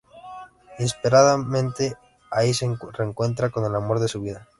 Inesperadamente ahí se reencuentra con el amor de su vida.